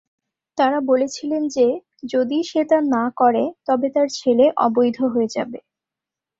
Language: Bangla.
তারা বলেছিলেন যে যদি সে তা না করে তবে তার ছেলে অবৈধ হয়ে যাবে।